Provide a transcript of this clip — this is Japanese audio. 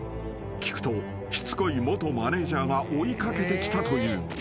［聞くとしつこい元マネジャーが追い掛けてきたという］